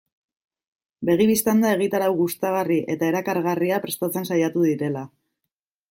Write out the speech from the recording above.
Begi bistan da egitarau gustagarri eta erakargarria prestatzen saiatu direla.